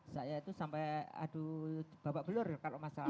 saya itu sampai aduh babak belur kalau masalah